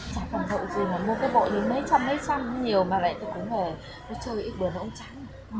chả còn thậu gì mà mua cái bội mấy trăm mấy trăm hay nhiều mà lại cũng phải chơi ít bữa nấu trắng